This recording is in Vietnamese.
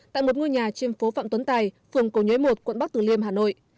tại một ngôi nhà trên phố phạm tuấn tài phường cầu nhớ một quận bắc tử liêm hà nội